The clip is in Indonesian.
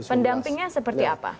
pendampingnya seperti apa